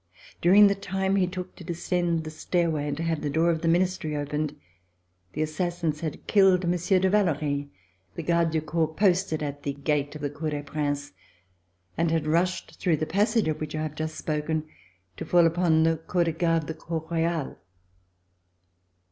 During the time that he took to descend the stairway and to have the door ot the Ministry opened, the assassins had killed Monsieur de Vallori, the garde du corps posted at the gate of the Cour des Princes, and had rushed through the passage of which I have just spoken to fall upon the Corps de Garde of the Cour Royale.